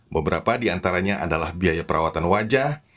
beberapa di antaranya adalah biaya perawatan wajah